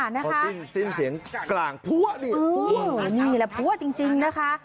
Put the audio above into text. นี่แหละค่ะนี่แหละพัวจริงนะคะ